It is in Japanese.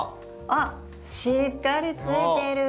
あっしっかりついてる！